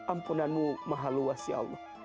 ampunan mu mahal luas ya allah